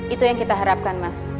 itu yang kita harapkan mas